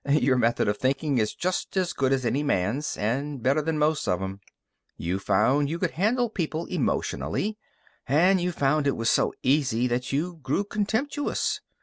Your method of thinking is just as good as any man's, and better than most of 'em. "You found you could handle people emotionally, and you found it was so easy that you grew contemptuous.